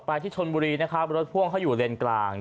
ที่ชนบุรีนะครับรถพ่วงเขาอยู่เลนกลาง